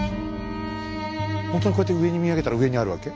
ほんとにこうやって上に見上げたら上にあるわけ？